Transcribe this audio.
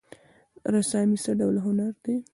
رسامي څه ډول هنر دی؟